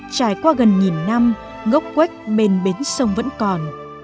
trải qua gần nghìn năm gốc quếch bên bến sông vẫn còn